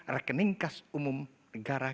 rekening khas umum negara